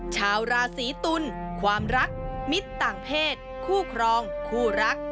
ชาวราศีตุลความรักมิตรต่างเพศคู่ครองคู่รัก